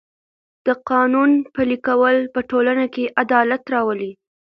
د قانون پلي کول په ټولنه کې عدالت راولي.